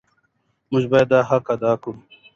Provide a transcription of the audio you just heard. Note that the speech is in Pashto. موږ باید دا حق ادا کړو.